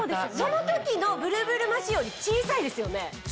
その時のブルブルマシンより小さいですよね？